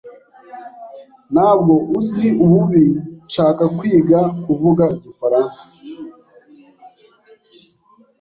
Ntabwo uzi ububi nshaka kwiga kuvuga igifaransa.